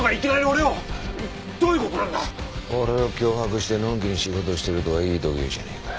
俺を脅迫してのんきに仕事してるとはいい度胸じゃねえか。